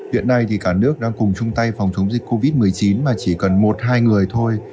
hiện nay thì cả nước đang cùng chung tay phòng chống dịch covid một mươi chín mà chỉ cần một hai người thôi